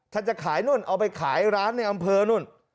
จะขายนู่นเอาไปขายร้านในอำเภอนู่น